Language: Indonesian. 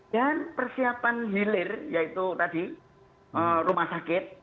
dan persiapan hilir yaitu tadi rumah sakit